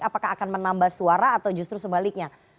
apakah akan menambah suara atau justru sebaliknya